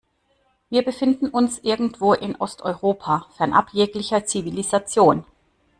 Wir befinden uns irgendwo in Osteuropa, fernab jeglicher Zivilisation.